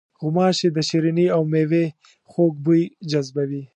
غوماشې د شریني او میوې خوږ بوی جذبوي.